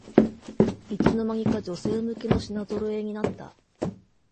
いつの間にか女性向けの品ぞろえになった